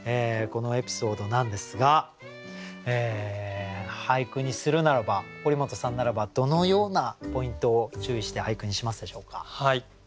このエピソードなんですが俳句にするならば堀本さんならばどのようなポイントを注意して俳句にしますでしょうか？